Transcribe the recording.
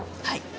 はい。